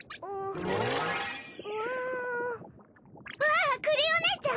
あっクリお姉ちゃん。